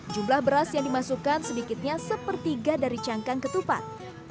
jumlah beras yang dimasukkan sedikitnya sepertiga dari cangkang ketupat